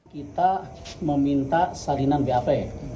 kita meminta salinan bap